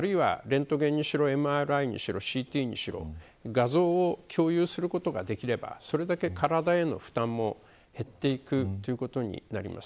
あるいはレントゲンにしろＭＲＩにしろＣＴにしろ画像を共有することができればそれだけ体への負担も減っていくことになります。